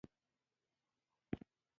د خیبر پښتونخوا په اسامبلۍ کې